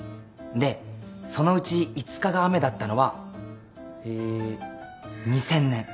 でそのうち５日が雨だったのはえー２０００年。